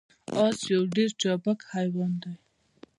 اس یو ډیر چابک حیوان دی